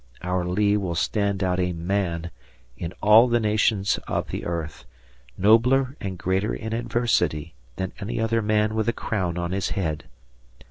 Our Lee will stand out a man in all the nations of the earth, nobler and greater in adversity than any other man with a crown on his head.